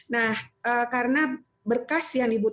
nah karena berkas yang dibutuhkan